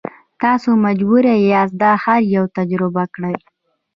تاسو مجبور یاست دا هر یو تجربه کړئ.